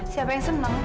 siapa yang seneng